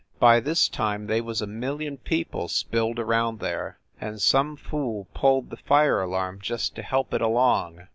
By this time they was a million people spilled around there and some fool pulled the fire alarm just to help it along.